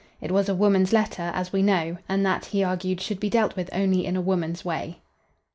It was a woman's letter, as we know, and that, he argued, should be dealt with only in a woman's way.